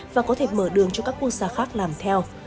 và có thể mở đường cho các quốc gia khác làm theo